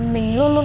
mình luôn luôn